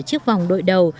chiếc vòng đội đầu